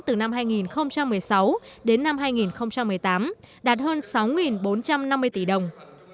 từ năm hai nghìn một mươi sáu đến năm hai nghìn một mươi tám đạt hơn sáu bốn trăm năm mươi tỷ đồng